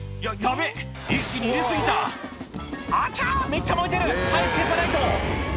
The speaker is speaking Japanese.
めっちゃ燃えてる早く消さないと」